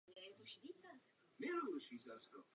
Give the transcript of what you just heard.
Důležité však je, že jsme dosáhli konsensu.